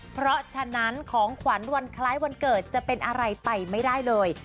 เพราะฉะนั้นของขวัญวันคล้ายวันเกิดจะเป็นอะไรไปไม่ได้เลย